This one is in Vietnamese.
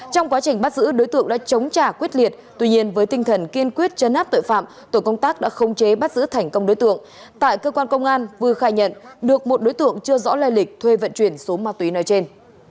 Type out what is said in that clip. trong quá trình bắt giữ đối tượng đã chống trả quyết liệt tuy nhiên với tinh thần kiên quyết chấn áp tội phạm tổ công tác đã không chế bắt giữ thành công đối tượng tại cơ quan công an vư khai nhận được một đối tượng chưa rõ lây lịch thuê vận chuyển số ma túy nói trên